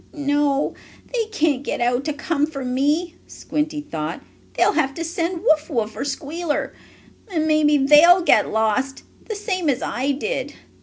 "No, they can't get out to come for me," Squinty thought. "They'll have to send Wuff Wuff, or Squealer. And maybe they'll get lost, the same as I did.